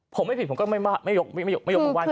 ผมไม่ผิดผมก็ไม่ยกมึงว่าย